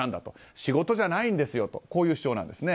仕事じゃないですよとこういう主張なんですね。